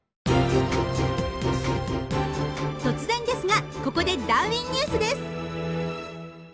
突然ですがここでダーウィン・ニュースです。